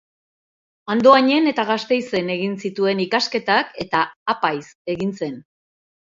Andoainen eta Gasteizen egin zituen ikasketak eta apaiz egin zen.